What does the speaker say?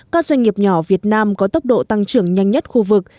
các doanh nghiệp nhỏ việt nam có tốc độ tăng trưởng nhanh nhất khu vực